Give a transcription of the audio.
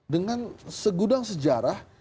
dengan segudang sejarah